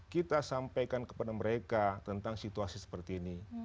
kita sampaikan kepada mereka tentang situasi seperti ini